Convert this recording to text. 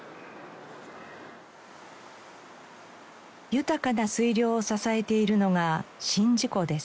豊かな水量を支えているのが宍道湖です。